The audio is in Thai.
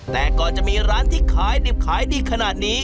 แต่ก่อนจะมีร้านที่ขายดิบขายดีขนาดนี้